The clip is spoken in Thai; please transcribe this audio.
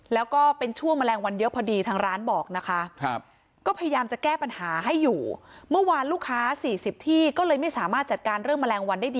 แล้วก็เป็นช่วงแมลงวันเยอะพอดีทางร้านบอกนะคะ